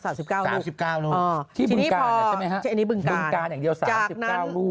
๓๒ลูกที่บึงกาญใช่ไหมครับบึงกาญอย่างเดียว๓๙ลูก